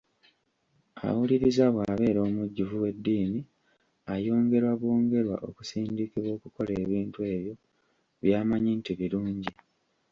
Awuliriza bw'abeera omujjuvu w'eddiini ayongerwa bwongerwa okusindikibwa okukola ebintu ebyo by'amanyi nti birungi.